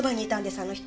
あの人。